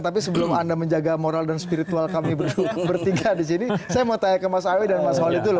tapi sebelum anda menjaga moral dan spiritual kami bertiga disini saya mau tanya ke mas awi dan mas wali dulu